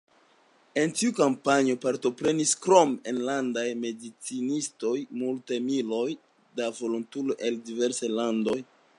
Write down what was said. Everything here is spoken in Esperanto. En tiu kampanjo partoprenis, krom enlandaj medicinistoj, multaj miloj da volontuloj el diversaj landoj.